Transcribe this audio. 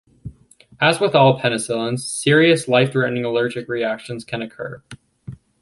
As with all penicillins, serious life-threatening allergic reactions can occur.